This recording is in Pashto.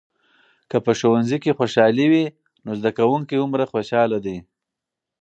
که په ښوونځي کې خوشالي وي، نو زده کوونکي هومره خوشحال دي.